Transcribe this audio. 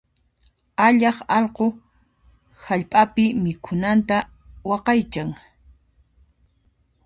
Allaq allqu hallp'api mikhunanta waqaychan.